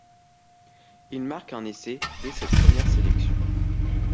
Il marque un essai dès cette première sélection.